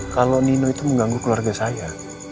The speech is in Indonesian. kalau nino itu mengganggu keluarga saya